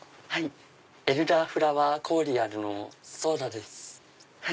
エルダーフラワーコーディアルのソーダです。